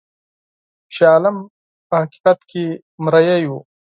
شاه عالم په حقیقت کې غلام وو.